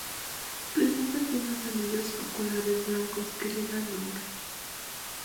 Presenta finos anillos oculares blancos que le dan nombre.